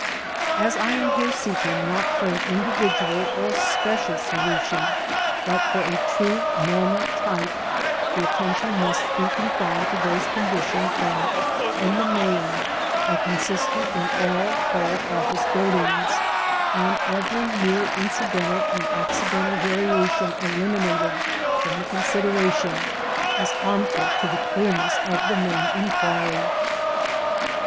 As I am here seeking not for an individual or special solution, but for a true normal type, the attention must be confined to those condi tions that, in the main, are constant in all tall office buildings, and every mere incidental and accidental variation eliminated from the consideration, as harmful to the clearness of the main inquiry.